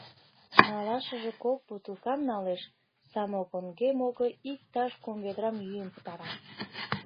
Налашыже кок бутылкам налеш, самогонге-моге иктаж кум ведрам йӱын пытара.